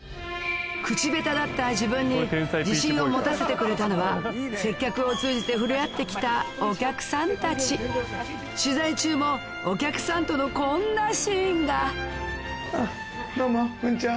口下手だった自分に自信を持たせてくれたのは接客を通じて触れ合って来たお客さんたち取材中もお客さんとのこんなシーンがどうもこんにちは。